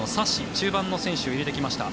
中盤の選手を入れてきました。